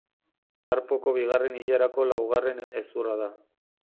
Karpoko bigarren ilarako laugarren hezurra da.